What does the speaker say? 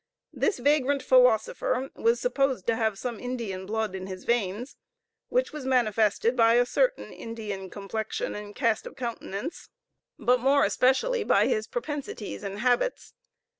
This vagrant philosopher was supposed to have some Indian blood in his veins, which was manifested by a certain Indian complexion and cast of countenance, but more especially by his propensities and habits.